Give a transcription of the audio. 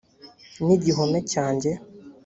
n igihome cyanjye